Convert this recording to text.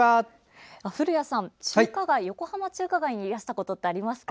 古谷さん、横浜中華街にいらしたこと、ありますか？